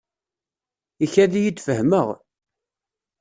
Ikad-iyi-d fehmeɣ.